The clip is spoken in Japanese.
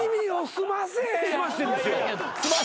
澄ませてるんですよ。